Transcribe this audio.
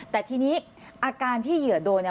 แต่ทีนี้อาการที่เหยื่อโดน